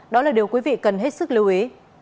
đó là điều quý vị cần hết sức lưu ý